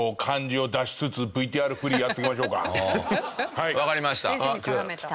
はいわかりました。